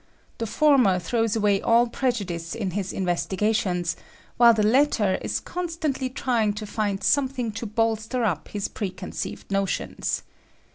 The former throws away all preju dice in his investigations, while the latter is constantly trying to find something to bolster up his preconceived notions.